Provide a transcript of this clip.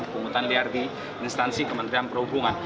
penghutan liar di instansi kementerian perhubungan